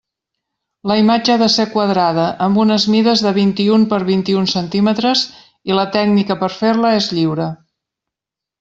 La imatge ha de ser quadrada, amb unes mides de vint-i-un per vint-i-un centímetres, i la tècnica per fer-la és lliure.